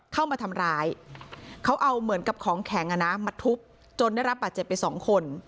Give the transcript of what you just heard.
เข้ามาทำร้ายเขาเอาเหมือนกับของแข็งมาทุบจนได้รับบาดเจ็บไปสองคน